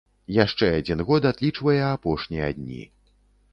Яшчэ адзін год адлічвае апошнія дні.